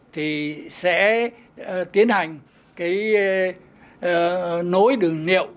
thì sẽ tiến hành cái nối đường niệm